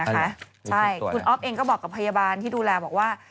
ใช่คุณอ๊อฟเองก็บอกกับพยาบาลที่ดูแลบอกว่า